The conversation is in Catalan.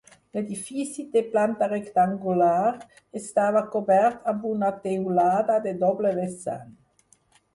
L'edifici té planta rectangular, estava cobert amb una teulada de doble vessant.